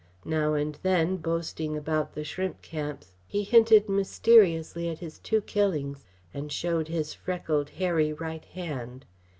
Now and then, boasting about the shrimp camps, he hinted mysteriously at his two killings, and showed his freckled, hairy right hand.